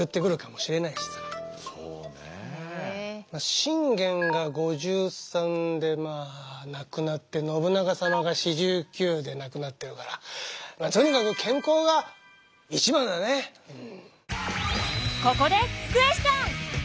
信玄が５３でまあ亡くなって信長様が４９で亡くなっているからここでクエスチョン！